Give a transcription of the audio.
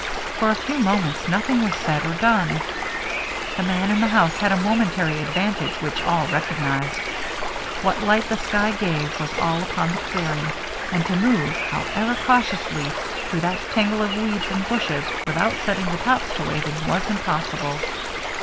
For a few mo ments nothing was said or done. The man in the house had a momentary advantage which all recognized. What light the sky gave was all upon the clearing, and to move, however cautiously, through that tangle of weeds and bushes without setting the tops to waving, was impossible.